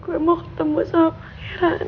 gue mau ketemu sama heran